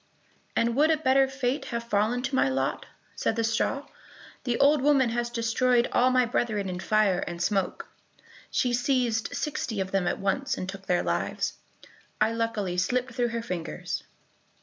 "And would a better fate have fallen to my lot?" said the straw. "The old woman has destroyed all my brethren in fire and smoke; she seized sixty of them at once, and took their lives. I luckily slipped through her fingers."